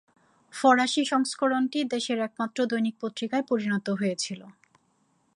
ফরাসি সংস্করণটি দেশের একমাত্র দৈনিক পত্রিকায় পরিণত হয়েছিল।